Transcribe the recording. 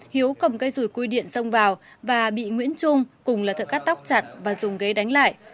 hiếu cầm cây rùi cui điện xông vào và bị nguyễn trung cùng là thợ cắt tóc chặn và dùng ghế đánh lại